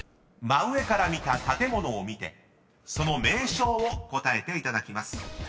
真上から見た建物を見てその名称を答えていただきます］